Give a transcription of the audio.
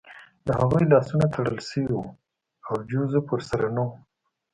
د هغوی لاسونه تړل شوي وو او جوزف ورسره نه و